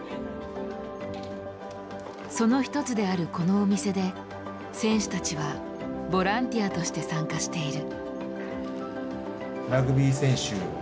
その一つであるこのお店で選手たちはボランティアとして参加している。